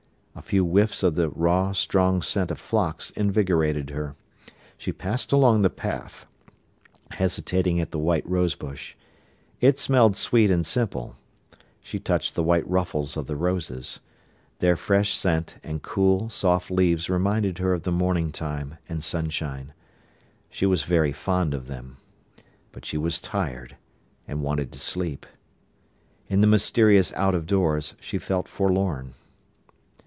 A few whiffs of the raw, strong scent of phlox invigorated her. She passed along the path, hesitating at the white rose bush. It smelled sweet and simple. She touched the white ruffles of the roses. Their fresh scent and cool, soft leaves reminded her of the morning time and sunshine. She was very fond of them. But she was tired, and wanted to sleep. In the mysterious out of doors she felt forlorn.